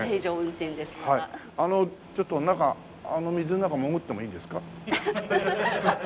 ちょっと中あの水の中潜ってもいいんですか？